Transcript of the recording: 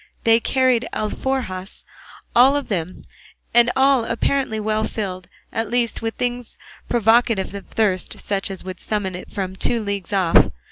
They carried alforjas all of them, and all apparently well filled, at least with things provocative of thirst, such as would summon it from two leagues off.